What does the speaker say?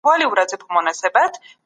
تاسي تل په موسکا سره خبري کوئ.